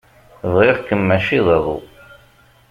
Bɣiɣ-kem mačči d aḍu.